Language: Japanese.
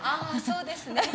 そうですね。